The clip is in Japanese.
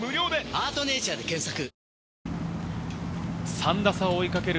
３打差を追いかける